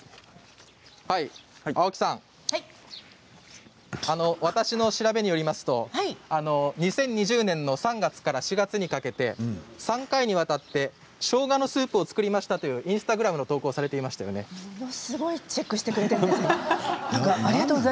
青木さん、私の調べによりますと２０２０年の３月から４月にかけて３回にわたってしょうがのスープを作りましたっていうインスタグラムをすごいチェックされてくれているんですか。